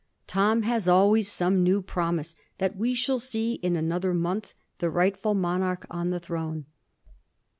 Tom has always some new promise that we shall see in another month the rightfdl monarch on the throne.